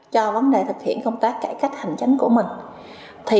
cho vấn đề thực hiện công tác cải cách hành chính của mình